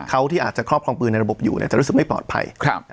เขาที่อาจจะครอบครองปืนในระบบอยู่จะรู้สึกไม่ปลอดภัย